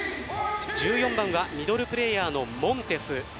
１４番はミドルプレーヤーのモンテス。